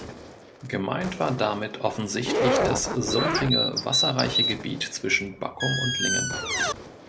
Gemeint war damit offensichtlich das sumpfige wasserreiche Gebiet zwischen Baccum und Lingen.